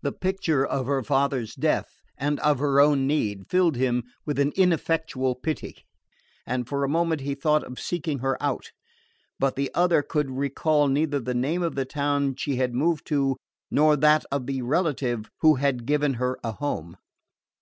The picture of her father's death and of her own need filled him with an ineffectual pity, and for a moment he thought of seeking her out; but the other could recall neither the name of the town she had removed to nor that of the relative who had given her a home.